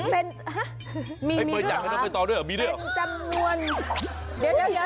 เป็นฮะมีด้วยหรือครับเป็นจำนวนให้บริจาคให้น้องใบตองด้วยหรือมีด้วยหรือ